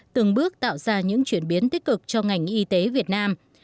từng bước tạo ra những chuyển biến tích cực cho ngành y tế việt nam